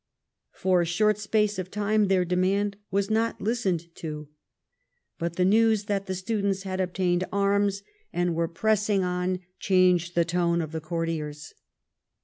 For a short space of time their demand was not listened to, but the news that the students had obtained arms and were pressing on, 190 LIFE OF PRINCE METTEBNICE. changed the tone of the courtiers.